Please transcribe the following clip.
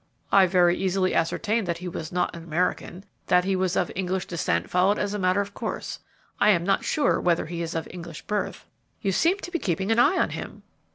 "I very easily ascertained that he was not an American; that he was of English descent followed as a matter of course. I am not sure whether he is of English birth." "You seem to be keeping an eye on him."